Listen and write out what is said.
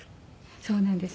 そうなんです。